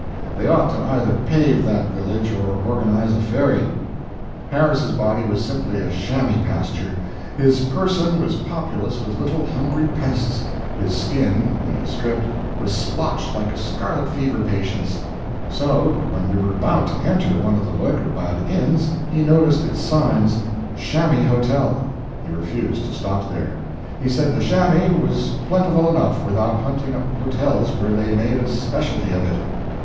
They ought to either pave that village or organize a ferry. Harris's body was simply a chamois pasture; his person was populous with the little hungry pests; his skin, when he stripped, was splotched like a scarlet fever patient's; so, when we were about to enter one of the Leukerbad inns, and he noticed its sign, "Chamois Hotel," he refused to stop there. He said the chamois was plentiful enough, without hunting up hotels where they made a specialty of it.